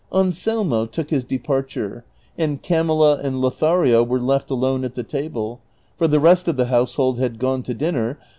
Anselmo took his dei)arture, and Camilla and Lothario were left alone at the table, for the rest of the Jiousehold had gone to dinner.